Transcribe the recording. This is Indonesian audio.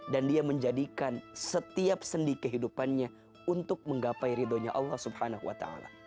dan dia menjadikan setiap sendi kehidupannya untuk menggapai ridhonya allah swt